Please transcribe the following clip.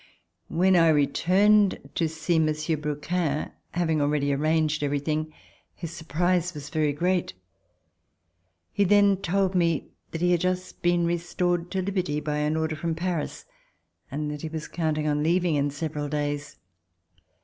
When I returned to see Monsieur de Brouquens, having already arranged everything, his surprise was very great. He then told me that he had just been restored to liberty by an order from Paris and that he was counting on leaving in several days.